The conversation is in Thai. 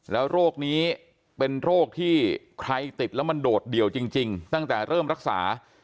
แล้วโรคนี้เป็นโรคที่ใครติดแล้วมันโดดเดี่ยวจริงตั้งแต่เริ่มรักษา